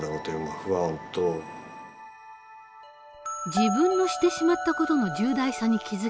自分のしてしまった事の重大さに気付き